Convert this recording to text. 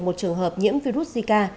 một trường hợp nhiễm virus zika